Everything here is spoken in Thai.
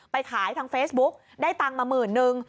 ไปขายทางเฟซบุ๊กได้ตังค์มาหมื่นนึง